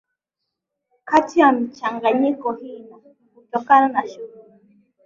kati ya michanganyiko hii na hutokana na shughuli